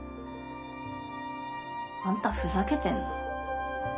あんたふざけてんの？